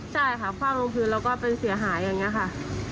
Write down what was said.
ใช่ค่ะคว่างลงพื้นแล้วก็เป็นเสียหายอย่างนี้ค่ะ